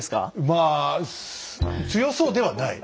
まあ強そうではない。